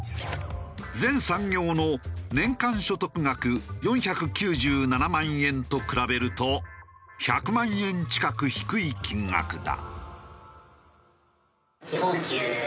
全産業の年間所得額４９７万円と比べると１００万円近く低い金額だ。